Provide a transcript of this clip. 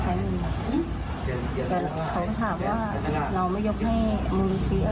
แต่เขาถามว่าเราไม่ยกให้มือลูกฤทธิ์อ่ะ